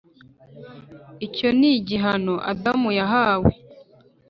Icyo ni igihano Adamu yahawe